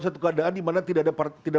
satu keadaan dimana tidak